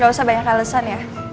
gak usah banyak alasan ya